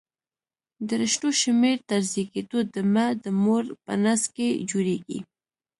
د رشتو شمېر تر زېږېدو د مه د مور په نس کې جوړېږي.